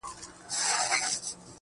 د دومره شنو شېخانو د هجوم سره په خوا کي~